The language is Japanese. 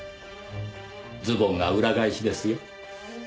ズボンが裏返しですよ。